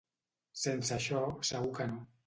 Sense això, segur que no.